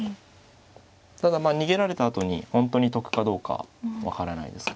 ただまあ逃げられたあとに本当に得かどうか分からないです。